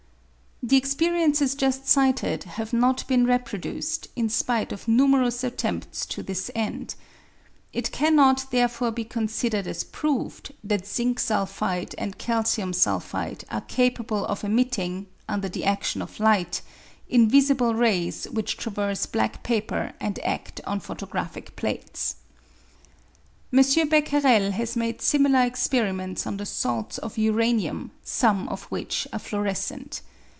The experiences just cited have not been reproduced, in spite of numerous attempts to this end. It cannot there fore be considered as proved that zinc sulphide and calcium sulphide are capable of emitting, under the adtion of light, invisible rays which traverse black paper and adt on photo graphic plates. M. Becquerel has made similar experiments on the salts of uranium, some of which are fluorescent.